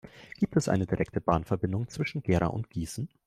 Gibt es eine direkte Bahnverbindung zwischen Gera und Gießen?